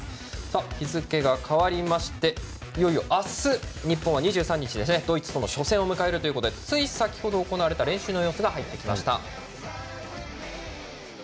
日付が変わりましていよいよ、明日日本は２３日、ドイツとの初戦を行うということでつい先程行われた練習の様子が入ってきました。